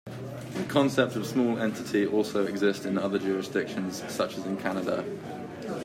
The concept of "small entity" also exist in other jurisdictions, such as in Canada.